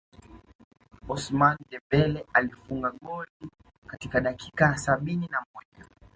Ousmane Dembele alifunga goli katika dakika ya sabini na moja